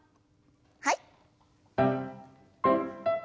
はい。